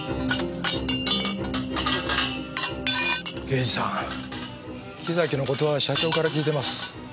刑事さん木崎の事は社長から聞いています。